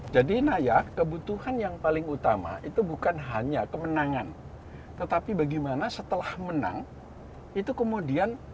jadi nah ya kebutuhan yang paling utama itu bukan hanya kemenangan tetapi bagaimana setelah menang itu kemudian ini pasangan